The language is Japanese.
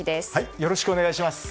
よろしくお願いします。